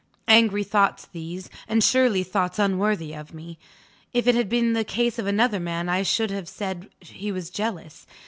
Angry thoughts these and surely thoughts unworthy of me? If it had been the case of another man I should have said he was jealous.